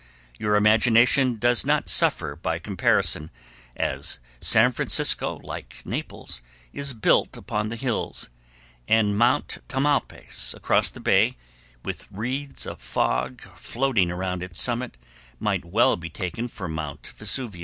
Your imagination does not suffer by comparison, as San Francisco, like Naples, is built upon the hills, and Mount Tamalpais across the bay, with wreaths of fog floating around its summit, might well be taken for Mount Vesuvius.